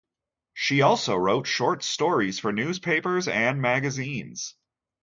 She also wrote short stories for newspapers and magazines.